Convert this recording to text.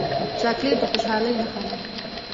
چاکلېټ د خوشحالۍ نښه ده.